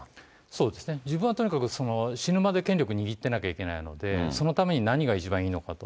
そうですね、自分はとにかく、死ぬまで権力握ってなきゃいけないので、そのために何が一番いいのかと。